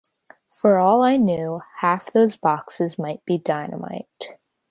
For all I knew half those boxes might be dynamite.